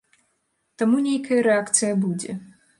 Таму, нейкая рэакцыя будзе.